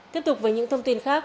tiếp tục với những thông tin khác